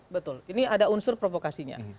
betul ini ada unsur provokasinya